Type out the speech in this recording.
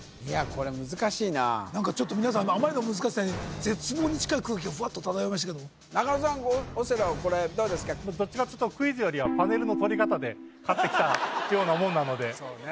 これ難しいな何かちょっと皆さんあまりの難しさに絶望に近い空気がフワっと漂いましたけどもどっちかっていうとクイズよりはパネルのとり方で勝ってきたようなもんなのでそうね